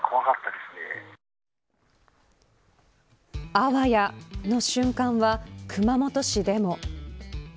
あわやの瞬間は、熊本市でも。